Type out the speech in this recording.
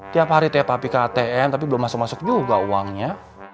tiap hari tiap atm tapi belum masuk masuk juga uangnya